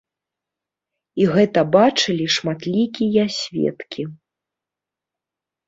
І гэта бачылі шматлікія сведкі.